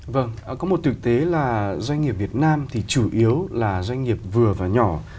vâng có một thực tế là doanh nghiệp việt nam thì chủ yếu là doanh nghiệp vừa và nhỏ